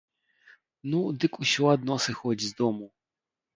Ну, дык усё адно сыходзь з дому.